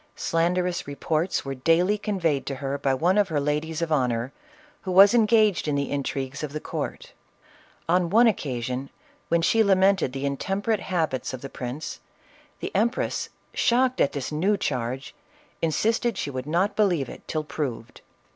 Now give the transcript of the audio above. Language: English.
Slanderous reports were daily conveyed to her by one of her ladies of honor, who was engaged in the intrigues of the court. On one occasion when she lamented the intem perate habits of the prince, the empress shocked at this new charge, insisted she would not believe it, till proved.